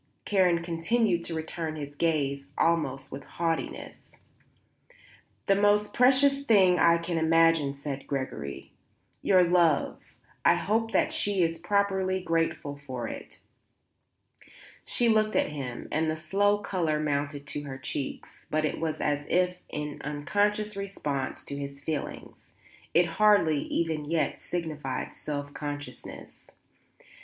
Karen continued to return his gaze almost with haughtiness. "The most precious thing I can imagine," said Gregory. "Your love. I hope that she is properly grateful for it." She looked at him and the slow colour mounted to her cheeks; but it was as if in unconscious response to his feeling; it hardly, even yet, signified self consciousness.